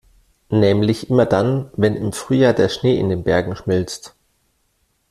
Nämlich immer dann, wenn im Frühjahr der Schnee in den Bergen schmilzt.